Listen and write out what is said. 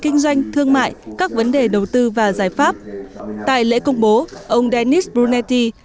kinh doanh thương mại các vấn đề đầu tư và giải pháp tại lễ công bố ông dennis brunetti